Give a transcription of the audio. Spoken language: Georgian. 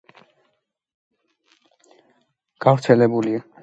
გავრცელებულნი არიან ურუგვაიდან მექსიკამდე.